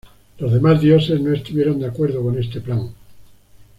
Los demás dioses no estuvieron de acuerdo con este plan.